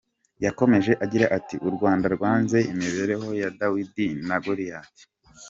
Yakomeje agira ati “U Rwanda rwanze imibereho ya Dawidi na Goliyati.